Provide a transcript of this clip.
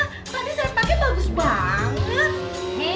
tadi saya pakai bagus banget